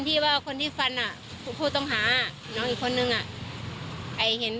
ที่ว่าคนที่ฟันอ่ะผู้ต้องหาน้องอีกคนนึงอ่ะไอ้เห็น